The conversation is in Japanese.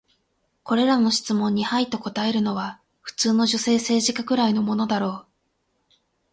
これらの質問に「はい」と答えるのは、普通の女性政治家くらいのものだろう。